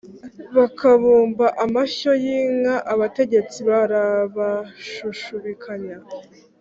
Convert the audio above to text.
Bakabumba amashyo y’inka, Abategetsi barabashushubikanya,